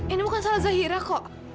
ini bukan salah zahira kok